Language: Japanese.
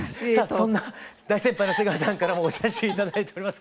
そんな大先輩の瀬川さんからもお写真頂いております。